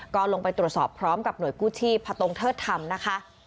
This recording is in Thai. ก็ลงไปตรวจสอบพร้อมกับหน่วยกู้ชีพพตงเทิดธรรมนะคะ